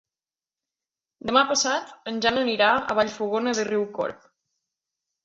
Demà passat en Jan anirà a Vallfogona de Riucorb.